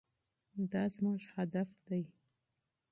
دا زموږ هدف دی.